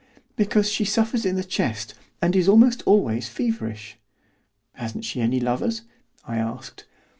"Because she suffers in the chest, and is almost always feverish." "Hasn't she any lovers?" I asked.